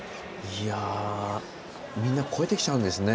みんな越えてきちゃうんですね。